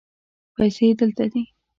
پیسې دلته دي